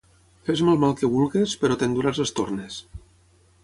Fes-me el mal que vulguis, però te'n duràs les tornes.